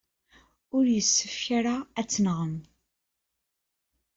Ur yessefk ara ad tenɣem.